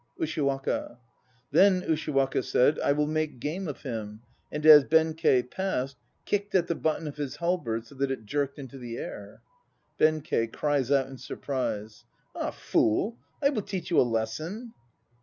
USHIWAKA. Then Ushiwaka said, "I will make game of him," and as Benkei passed Kicked at the button of his halberd so that it jerked into the air. BENKEI (cries out in surprise). Ah! fool, I will teach you a lesson!